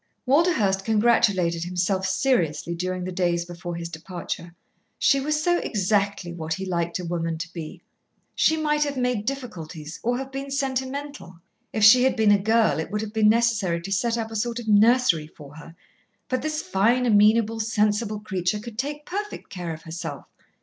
Walderhurst congratulated himself seriously during the days before his departure. She was so exactly what he liked a woman to be. She might have made difficulties, or have been sentimental. If she had been a girl, it would have been necessary to set up a sort of nursery for her, but this fine amenable, sensible creature could take perfect care of herself.